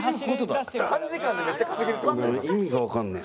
短時間でめっちゃ稼げるって事？